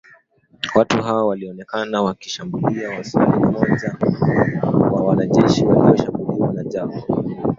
Watu hao walionekana wakimshambulia maswali mmoja wa wanajeshi walioshambuliwa na Jacob